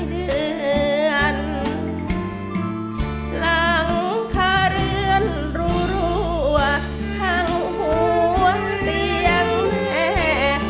เผื่อนหลังคาเรือนรูรัวทางหัวเตียงแห่